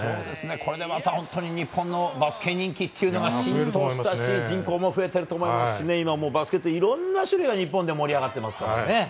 これで、また日本のバスケ人気が浸透したし人口も増えていると思いますしバスケットはいろんな種類で日本は盛り上がっていますからね。